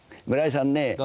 村井さんね